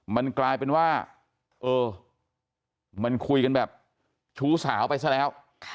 มันกลายเป็นว่าเออมันคุยกันแบบชู้สาวไปซะแล้ว